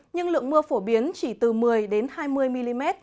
nhưng lượng mưa phổ biến chỉ từ một mươi hai mươi mm